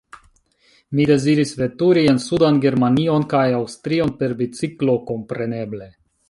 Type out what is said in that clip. Mi deziris veturi en sudan Germanion kaj Aŭstrion, per biciklo, kompreneble.